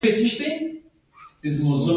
خوله يې وچه وه.